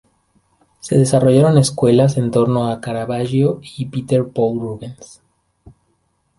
Se desarrollaron escuelas en torno a Caravaggio y Peter Paul Rubens.